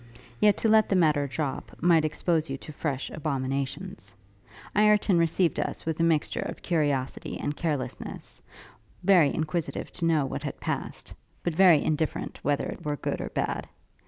Yet to let the matter drop, might expose you to fresh abominations. Ireton received us with a mixture of curiosity and carelessness; very inquisitive to know what had passed, but very indifferent whether it were good or bad.